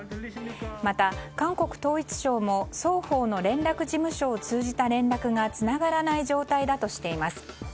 また、韓国統一省も双方の連絡事務所を通じた連絡がつながらない状態だとしています。